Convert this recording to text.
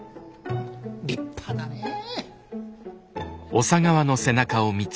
立派だねえ。